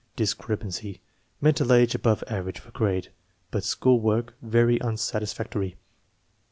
Discrepancy: Mental age above average for grade, but school work very unsatisfactory.